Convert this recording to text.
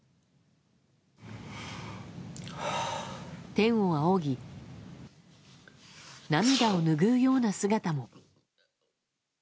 天を仰ぎ、涙を拭うような姿も。